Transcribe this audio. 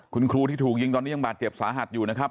คุณครูที่ถูกยิงตอนนี้ยังบาดเจ็บสาหัสอยู่นะครับ